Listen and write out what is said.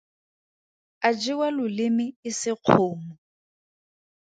A jewa loleme e se kgomo.